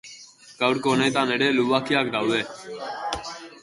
Gaurko honetan ere lubakiak daude.